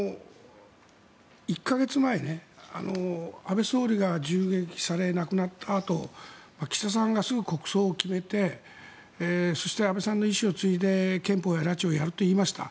１か月前、安倍総理が銃撃され、亡くなったあと岸田さんがすぐ国葬を決めてそして安倍さんの遺志を継いで憲法や拉致をやると言いました。